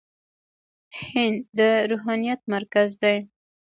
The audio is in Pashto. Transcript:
هند د روحانيت مرکز دی.